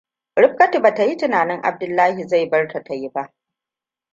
Rifkatu ba ta yi tunanin Abdullahi zai barta ta yi ba.